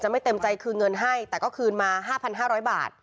จะไม่เต็มใจคืนเงินให้แต่ก็คืนมาห้าพันห้าร้อยบาท